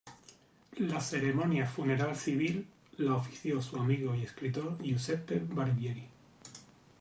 La ceremonia funeral civil, la ofició su amigo y escritor Giuseppe Barbieri.